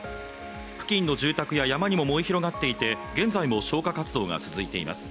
付近の住宅や山にも燃え広がっていて現在も消火活動が続いています。